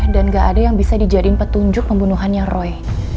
dan gak ada yang bisa dijadiin petunjuk pembunuhannya roy